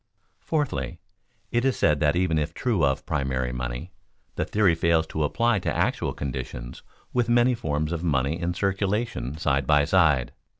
Fourthly, it is said that even if true of primary money the theory fails to apply to actual conditions with many forms of money in circulation side by side.